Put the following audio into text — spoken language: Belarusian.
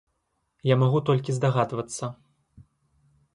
Я магу толькі здагадвацца.